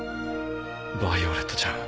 ヴァイオレットちゃん